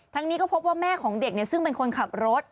นี้ก็พบว่าแม่ของเด็กซึ่งเป็นคนขับรถ